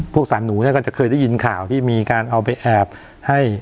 สารหนูเนี่ยก็จะเคยได้ยินข่าวที่มีการเอาไปแอบให้